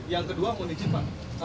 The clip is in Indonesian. yang kedua mau dicipa